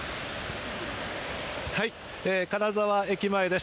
金沢駅前です。